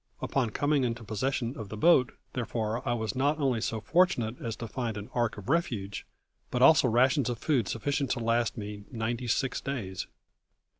Upon coming into possession of the boat, therefore, I was not only so fortunate as to find an ark of refuge, but also rations of food sufficient to last me ninety six days.